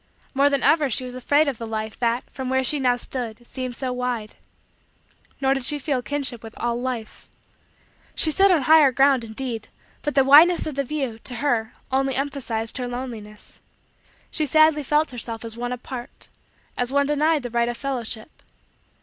More than ever, she was afraid of the Life, that, from where she now stood, seemed so wide. Nor did she feel a kinship with all Life. She stood on higher ground, indeed, but the wideness of the view, to her, only emphasized her loneliness. She sadly felt herself as one apart as one denied the right of fellowship.